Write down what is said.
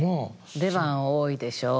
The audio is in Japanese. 出番多いでしょ？